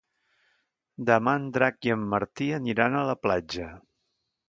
Demà en Drac i en Martí aniran a la platja.